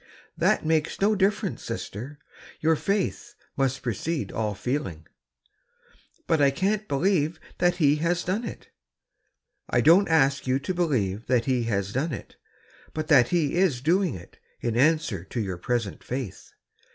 " That makes no difference, sister ; your faith must precede all feeling." " But I can't believe that He has done it." " I don't ask you to believe tliat He has done it, but that He is doing it, in answer to your present Fiith.